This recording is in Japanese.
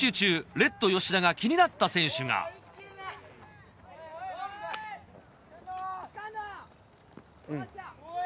レッド吉田が気になった選手がお！